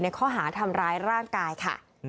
ข้อหาทำร้ายร่างกายค่ะ